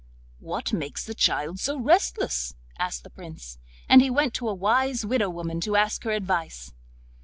'What makes the child so restless?' asked the Prince, and he went to a wise widow woman to ask her advice.